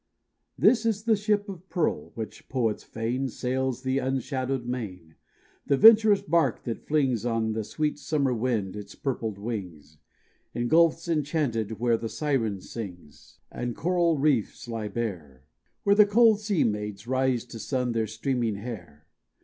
This is the ship of pearl, which, poets feign, Sails the unshadowed main, The venturous bark that flings On the sweet summer wind its purpled wings In gulfs enchanted, where the Siren sings, And coral reefs lie bare, Where the cold sea maids rise to sun their streaming hair.